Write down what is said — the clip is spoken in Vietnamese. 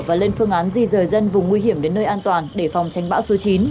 và lên phương án di rời dân vùng nguy hiểm đến nơi an toàn để phòng tránh bão số chín